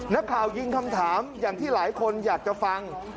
นักข่าวยิงคำถามอย่างที่หลายคนอยากจะฟัง